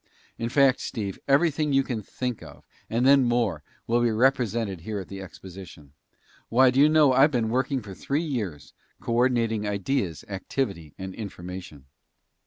In fact, Steve, everything you can think of, and then more, will be represented here at the exposition. Why, do you know I've been working for three years, co ordinating ideas, activity, and information!"